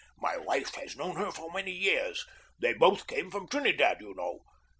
"My wife has known her for many years. They both come from Trinidad, you know.